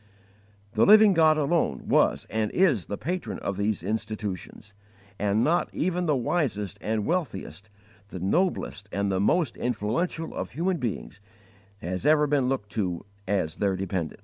* The Living God alone was and is the Patron of these institutions; and not even the wisest and wealthiest, the noblest and the most influential of human beings, has ever been looked to as their dependence.